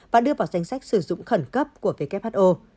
và đưa vào danh sách sử dụng khẩn cấp của who